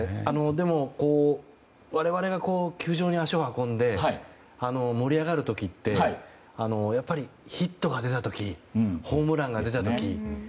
でも、我々が球場に足を運んで盛り上がる時ってヒットが出た時ホームランが出た時。